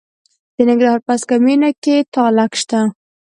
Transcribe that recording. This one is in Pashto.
د ننګرهار په هسکه مینه کې تالک شته.